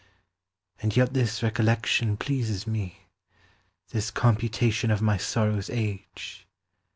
And yet this recollection pleases me, This computation of my sorrow's age.